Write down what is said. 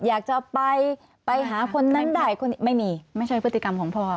อยากจะไปไปหาคนนั้นได้คนนี้ไม่มีไม่ใช่พฤติกรรมของพ่อ